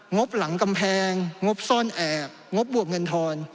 บหลังกำแพงงบซ่อนแอบงบบวกเงินทอน